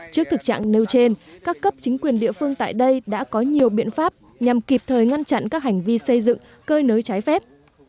trước thực trạng nêu trên các cấp chính quyền địa phương tại đây đã có nhiều biện pháp nhằm kịp thời ngăn chặn các hành vi xây dựng cơi nới trái phép